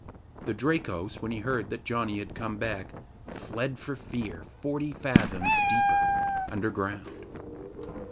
The Drakos, when he heard that Janni had come back, fled for fear forty fathoms deeper underground.